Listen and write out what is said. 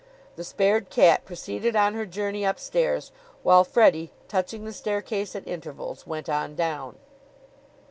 The spared cat proceeded on her journey upstairs, while Freddie, touching the staircase at intervals, went on down.